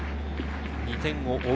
２点を追う